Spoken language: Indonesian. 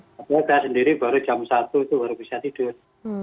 tapi kita sendiri baru jam satu itu baru bisa tidur